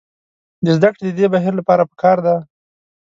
د زدکړې د دې بهیر لپاره پکار ده.